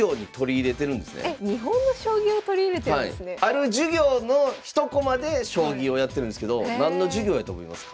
ある授業の一コマで将棋をやってるんですけど何の授業やと思いますか？